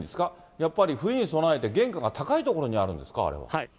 やっぱり冬に備えて玄関が高い所にあるんですか、あれは。